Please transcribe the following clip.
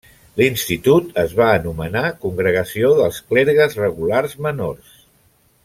L'institut es va anomenar Congregació dels Clergues Regulars Menors.